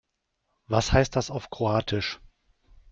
Was heißt das auf Kroatisch?